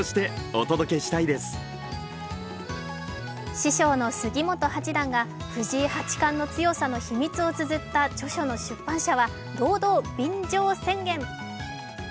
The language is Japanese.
師匠の杉本八段が藤井八冠の強さの秘密をつづった著書の出版社は堂々、便乗宣言。